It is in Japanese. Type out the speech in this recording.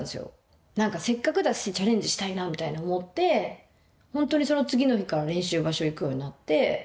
何かせっかくだしチャレンジしたいなみたいに思って本当にその次の日から練習場所行くようになって。